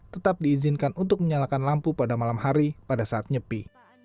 tetap diizinkan untuk menyalakan lampu pada malam hari pada saat nyepi